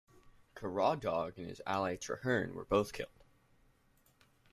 Caradog and his ally Trahaearn were both killed.